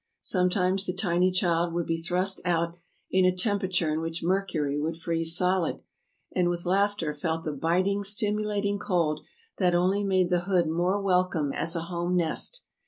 Sometimes the tiny child would be thrust out in a temperature in which mercury would freeze solid, and with laughter felt the biting, stimulating cold that only made the hood more welcome as a home nest.